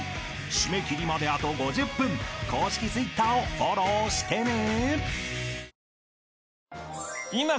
［締め切りまであと５０分公式Ｔｗｉｔｔｅｒをフォローしてね］